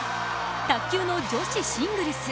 卓球の女子シングルス。